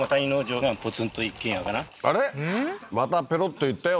またペロッと言ったよ